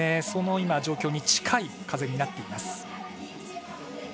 その状況に近い風になっています。